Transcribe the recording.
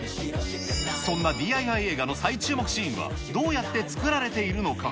そんなＤＩＹ映画の再注目シーンは、どうやって作られているのか。